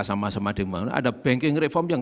sama sama di bangunan ada banking reform yang